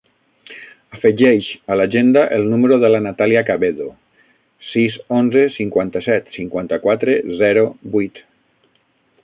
Afegeix a l'agenda el número de la Natàlia Cabedo: sis, onze, cinquanta-set, cinquanta-quatre, zero, vuit.